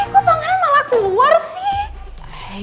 kok pengen malah keluar sih